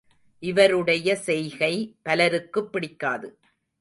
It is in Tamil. இவருடைய செய்கை பலருக்குப் பிடிக்காது.